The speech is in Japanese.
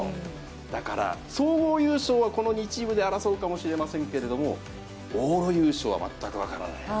だから、総合優勝はこの２チームで争うかもしれませんけど、往路優勝は全く分からないと。